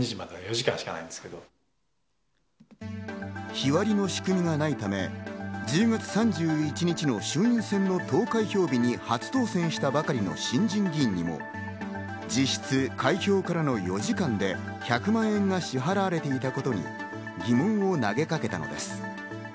日割りの仕組みがないため、１０月３１日の衆院選の投開票日に初当選したばかりの新人議員にも、実質、開票からの４時間で１００万円が支払われていたことに疑問を投げかけたのです。